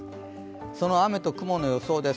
その雨と雲の予想です。